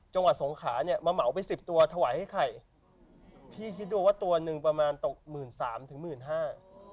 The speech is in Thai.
จังหวัดสงขาเนี่ยมาเหมาไปสิบตัวถวายให้ไข่พี่คิดดูว่าตัวหนึ่งประมาณตกหมื่นสามถึงหมื่นห้า